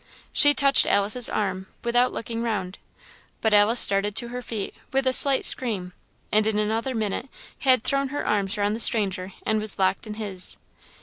She touched Alice's arm without looking round. But Alice started to her feet with a slight scream, and in another minute had thrown her arms round the stranger, and was locked in his.